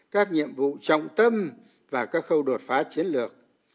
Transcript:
các nhiệm vụ trọng tâm và các khâu đột phá chiến lược